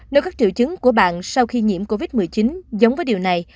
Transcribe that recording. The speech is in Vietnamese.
nếu các triệu chứng của bạn sau khi nhiễm covid một mươi chín giống với điều này